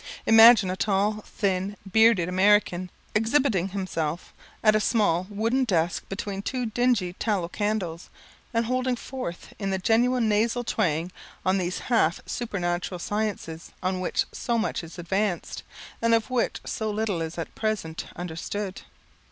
Imagine a tall, thin, bearded American, exhibiting himself at a small wooden desk between two dingy tallow candles, and holding forth in the genuine nasal twang on these half supernatural sciences on which so much is advanced, and of which so little is at present understood.